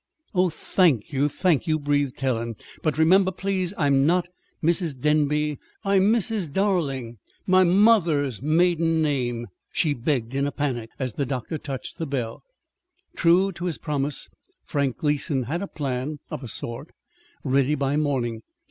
"Oh, thank you, thank you!" breathed Helen. "But, remember, please, I'm not Mrs. Denby. I'm Mrs. Darling my mother's maiden name," she begged in a panic, as the doctor touched the bell. True to his promise, Frank Gleason had a plan, of a sort, ready by morning.